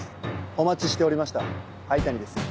お待ちしておりました灰谷です。